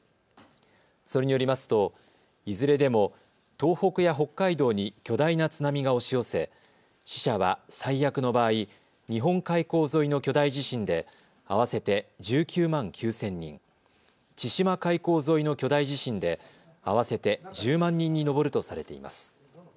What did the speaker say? それによりますといずれでも東北や北海道に巨大な津波が押し寄せ、死者は最悪の場合、日本海溝沿いの巨大地震で合わせて１９万９０００人、千島海溝沿いの巨大地震で合わせて１０万人に上るとされています。